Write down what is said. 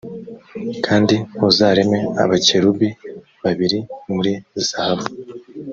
kandi uzareme abakerubi babiri muri zahabu